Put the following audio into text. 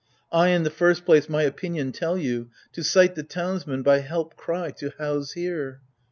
I, in the first place, my opinion tell you :— To cite the townsmen, by help cry, to house here.